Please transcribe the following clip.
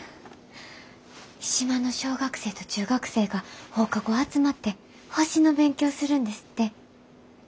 島の小学生と中学生が放課後集まって星の勉強するんですって。